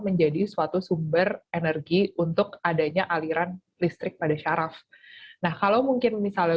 menjadi suatu sumber energi untuk adanya aliran listrik pada syaraf nah kalau mungkin misalnya